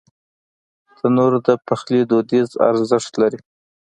تنور د پخلي دودیز ارزښت لري